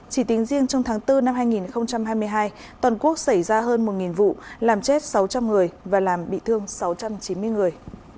chỉ tính riêng trong tháng bốn năm hai nghìn hai mươi hai toàn quốc xảy ra hơn một vụ làm chết sáu trăm linh người và làm bị thương sáu trăm chín mươi người